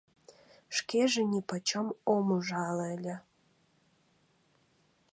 Шкеже нипочем ом ужале ыле.